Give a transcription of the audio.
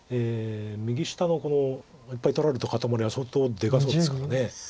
右下のこのいっぱい取られた固まりは相当でかそうですから。